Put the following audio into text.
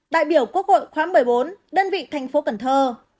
đại biểu quốc hội khóa một mươi bốn đơn vị thành phố cần thơ